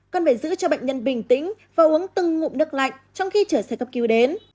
cần phải giữ cho bệnh nhân bình tĩnh và uống từng ngụm nước lạnh trong khi trời sẽ cấp cứu đến